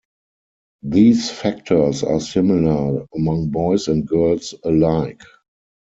These factors are similar among boys and girls alike.